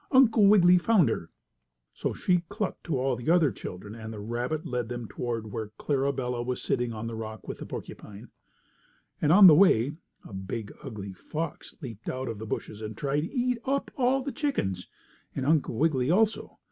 Uncle Wiggily found her." So she clucked to all the other children, and the rabbit led them toward where Clarabella was sitting on the rock with the porcupine. And on the way a big, ugly fox leaped out of the bushes and tried to eat up all the chickens, and Uncle Wiggily also.